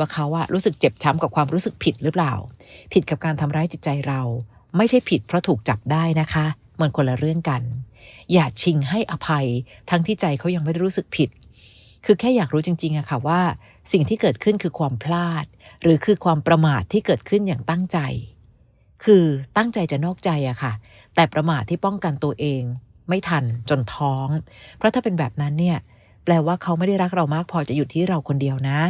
กับการทำร้ายจิตใจเราไม่ใช่ผิดเพราะถูกจับได้นะคะเหมือนคนละเรื่องกันอย่าชิงให้อภัยทั้งที่ใจเขายังไม่รู้สึกผิดคือแค่อยากรู้จริงค่ะว่าสิ่งที่เกิดขึ้นคือความพลาดหรือคือความประมาทที่เกิดขึ้นอย่างตั้งใจคือตั้งใจจะนอกใจค่ะแต่ประมาทที่ป้องกันตัวเองไม่ทันจนท้องเพราะถ้าเป็นแบบนั้นเ